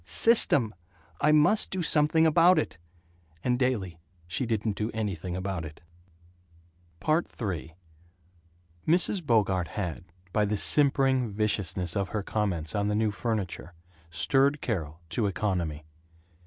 System. I must do something about it." And daily she didn't do anything about it. III Mrs. Bogart had, by the simpering viciousness of her comments on the new furniture, stirred Carol to economy.